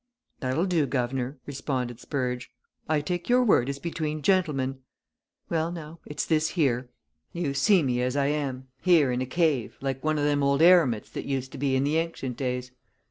"That'll do, guv'nor," responded Spurge. "I take your word as between gentlemen! Well, now, it's this here you see me as I am, here in a cave, like one o' them old eremites that used to be in the ancient days.